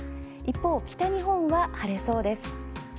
そして北日本は晴れそうです。